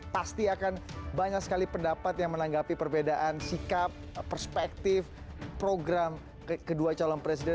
pasti akan banyak sekali pendapat yang menanggapi perbedaan sikap perspektif program kedua calon presiden